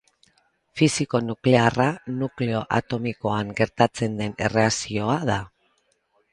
Fisio nuklearra nukleo atomikoan gertatzen den erreakzioa da.